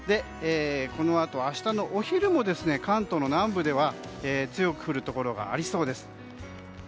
このあと、明日のお昼も関東の南部では強く降るところがありそうです。